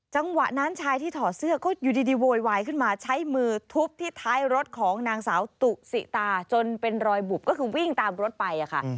จังหวะนั้นชายที่ถอดเสื้อก็อยู่ดีโวยวายขึ้นมาใช้มือทุบที่ท้ายรถของนางสาวตุสิตาจนเป็นรอยบุบก็คือวิ่งตามรถไปค่ะ